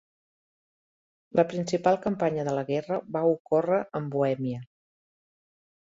La principal campanya de la guerra va ocórrer en Bohèmia.